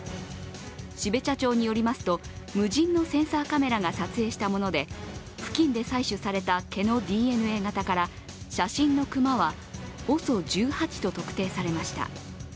標茶町によりますと無人のセンサーカメラが撮影したもので付近で採取された毛のＤＮＡ型から写真の熊はＯＳＯ１８と特定されました